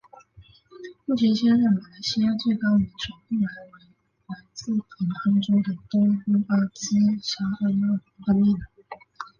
目前现任马来西亚最高元首后为来自彭亨州的东姑阿兹纱阿蜜娜。